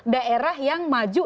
daerah yang maju